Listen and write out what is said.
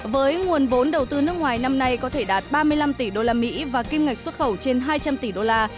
với nguồn vốn đầu tư nước ngoài năm nay có thể đạt ba mươi năm tỷ đô la mỹ và kim ngạch xuất khẩu trên hai trăm linh tỷ đô la